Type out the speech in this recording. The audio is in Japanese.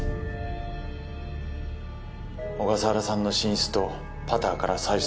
小笠原さんの寝室とパターから採取された指紋。